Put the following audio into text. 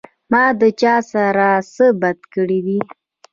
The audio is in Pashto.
ما د چا سره څۀ بد کړي دي